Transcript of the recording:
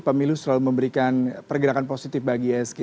pemilu selalu memberikan pergerakan positif bagi isg